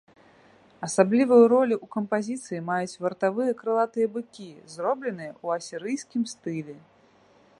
Асаблівую ролю ў кампазіцыі маюць вартавыя крылатыя быкі, зробленыя ў асірыйскім стылі.